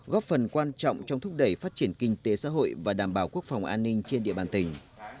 góp phần quan trọng trong thúc đẩy phát triển kinh tế xã hội và đảm bảo quốc phòng an ninh trên địa bàn tỉnh